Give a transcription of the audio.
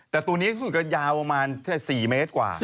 แต่ตัวนี้คือก็ยาวก็มา๔เมตรกว่า